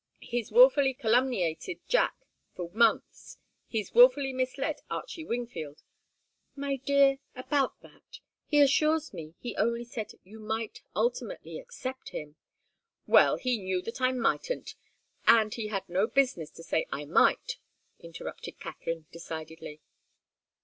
He's wilfully calumniated Jack for months. He's wilfully misled Archie Wingfield " "My dear about that he assures me that he only said you might ultimately accept him " "Well he knew that I mightn't, and he had no business to say I might," interrupted Katharine, decidedly.